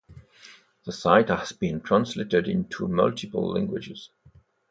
The site has been translated into multiple languages.